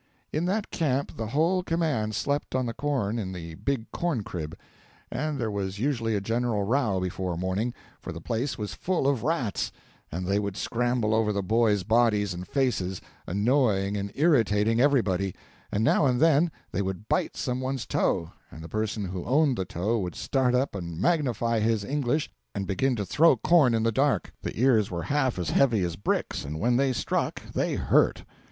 In that camp the whole command slept on the corn in the big corn crib; and there was usually a general row before morning, for the place was full of rats, and they would scramble over the boys' bodies and faces, annoying and irritating everybody; and now and then they would bite some one's toe, and the person who owned the toe would start up and magnify his English and begin to throw corn in the dark. The ears were half as heavy as bricks, and when they struck they hurt.